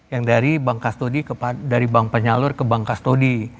yang dari bank kastudi dari bank penyalur ke bank kastudi